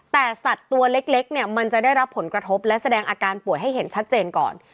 แต่สัตว์ตัวเล็กเนี่ยมันจะได้รับผลกระทบและแสดงอาการป่วยให้เห็นชัดเจนก่อน